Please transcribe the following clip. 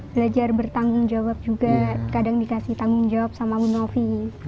belajar bertanggung jawab juga kadang dikasih tanggung jawab sama ibu novi